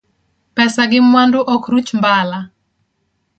Pesa gi mwandu ok ruch mbala.